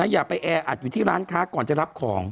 อย่าไปแออัดอยู่ที่ร้านค้าก่อนจะรับของ